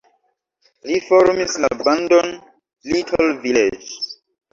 Li formis la bandon Little Village.